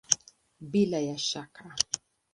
Bila ya shaka!